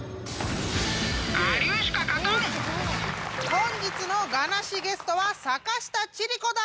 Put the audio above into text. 本日の我なしゲストは坂下千里子だ！